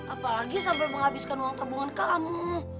apalagi sampai menghabiskan uang tabungan kamu